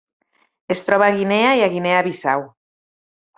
Es troba a Guinea i a Guinea Bissau.